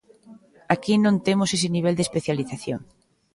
Aquí non temos ese nivel de especialización.